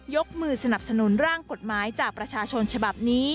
ยกมือสนับสนุนร่างกฎหมายจากประชาชนฉบับนี้